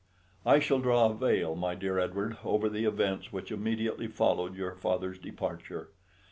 I shall draw a veil, my dear Edward, over the events which immediately followed your father's departure.